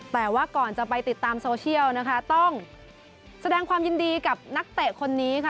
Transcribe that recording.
แต่ว่าก่อนจะไปติดตามโซเชียลนะคะต้องแสดงความยินดีกับนักเตะคนนี้ค่ะ